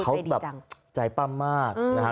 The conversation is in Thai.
เขาแบบใจปั้มมากนะฮะ